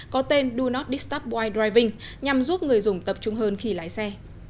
có tên do not disturb while driving nhằm giúp người dùng tập trung hơn khi lái xe